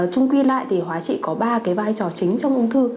trung quy lại thì hóa trị có ba vai trò chính trong ung thư